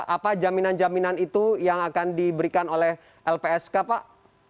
apa jaminan jaminan itu yang akan diberikan oleh lpsk pak